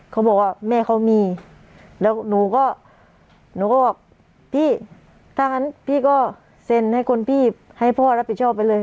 เขาบอกว่าแม่เขามีแล้วหนูก็บอกพี่ถ้าอย่างนั้นพี่ก็เซ็นให้พ่อรับผิดชอบไปเลย